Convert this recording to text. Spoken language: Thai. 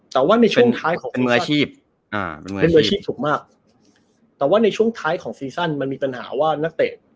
แต่ว่าในช่วงท้ายของซีซั่นมันมีปัญหาว่านักเตะ